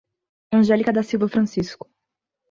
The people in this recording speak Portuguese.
Angelica da Silva Francisco